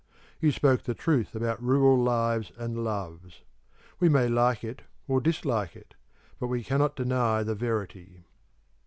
You spoke the truth about rural lives and loves. We may like it or dislike it; but we cannot deny the verity.